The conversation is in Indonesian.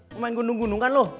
mau main gunung gunungan loh